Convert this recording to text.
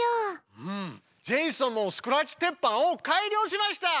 うんジェイソンもスクラッチ鉄板を改良しました！